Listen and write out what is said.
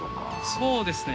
そうですね。